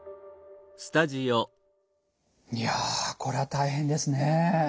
いやこれは大変ですね。